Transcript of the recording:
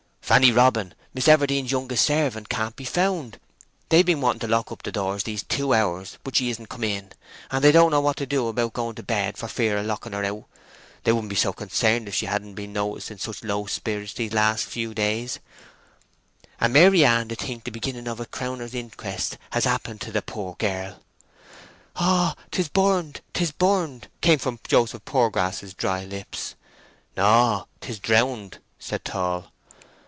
"Fanny Robin—Miss Everdene's youngest servant—can't be found. They've been wanting to lock up the door these two hours, but she isn't come in. And they don't know what to do about going to bed for fear of locking her out. They wouldn't be so concerned if she hadn't been noticed in such low spirits these last few days, and Maryann d' think the beginning of a crowner's inquest has happened to the poor girl." "Oh—'tis burned—'tis burned!" came from Joseph Poorgrass's dry lips. "No—'tis drowned!" said Tall.